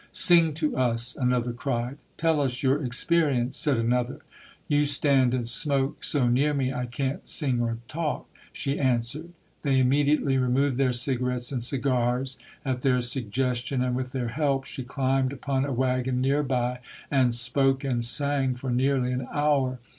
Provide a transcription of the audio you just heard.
"Sing to us", another cried. "Tell us your experience", said another. "You stand and smoke so near me, I can't sing or talk", she answered. They immediately re moved their cigarettes and cigars. At their sug gestion and with their help, she climbed upon a wagon nearby and spoke and sang for nearly an hour.